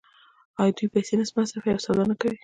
آیا دوی پیسې نه مصرفوي او سودا نه کوي؟